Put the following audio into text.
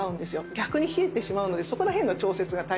逆に冷えてしまうのでそこら辺の調節が大切かと思います。